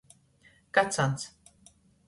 Kacans.